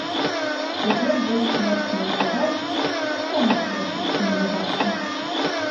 Цяпер больш смачныя кавалкі дастануцца расійскім алігархам.